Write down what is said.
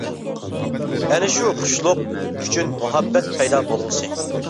ئەنە شۇ خۇشلۇق ئۈچۈن مۇھەببەت پەيدا بولغۇسى.